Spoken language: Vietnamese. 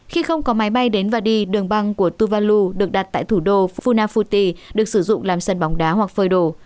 khi không có máy bay đến và đi đường băng của tuvalu được đặt tại thủ đô funa futi được sử dụng làm sân bóng đá hoặc phơi đồ